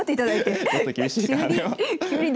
ちょっと厳しいかなでも。